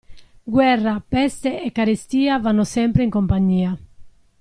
Guerra, peste e carestia, vanno sempre in compagnia.